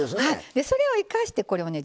それを生かしてこれをね